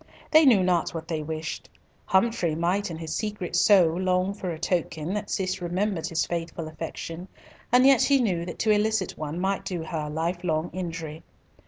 They knew not what they wished. Humfrey might in his secret soul long for a token that Cis remembered his faithful affection, and yet he knew that to elicit one might do her life long injury.